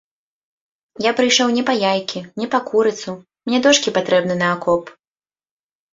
Я прыйшоў не па яйкі, не па курыцу, мне дошкі патрэбны на акоп.